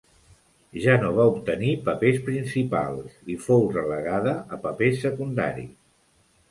Ja no va obtenir papers principals i fou relegada a papers secundaris.